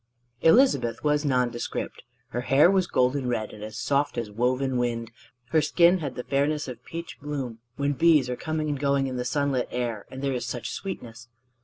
Elizabeth was nondescript. Her hair was golden red and as soft as woven wind. Her skin had the fairness of peach bloom when bees are coming and going in the sunlit air and there is such sweetness.